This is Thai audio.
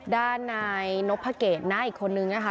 ด้านนายนพเกตน้าอีกคนนึงนะคะ